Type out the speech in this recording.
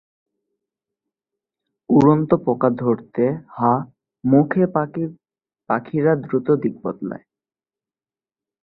উড়ন্ত পোকা ধরতে হাঁ-মুখ এ পাখিরা দ্রুত দিক বদলায়।